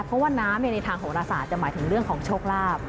เพราะว่าน้ำในทางโหรศาสตร์จะหมายถึงเรื่องของโชคลาภ